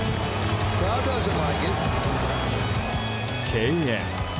敬遠。